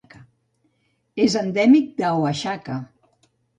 És endèmic d'Oaxaca.